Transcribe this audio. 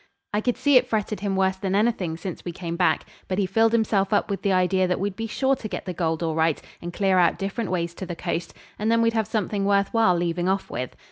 I could see it fretted him worse than anything since we came back, but he filled himself up with the idea that we'd be sure to get the gold all right, and clear out different ways to the coast, and then we'd have something worth while leaving off with.